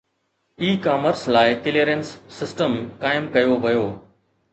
اي commerce لاءِ clearance system قائم ڪيو ويو